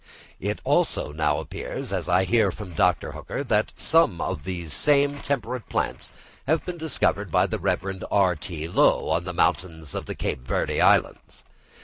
It now also appears, as I hear from Dr. Hooker, that some of these same temperate plants have been discovered by the Rev. R.T. Lowe on the mountains of the Cape Verde Islands.